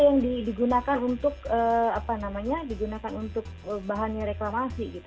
yang digunakan untuk bahannya reklamasi gitu